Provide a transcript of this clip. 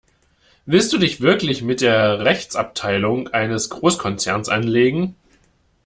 Willst du dich wirklich mit der Rechtsabteilung eines Großkonzerns anlegen?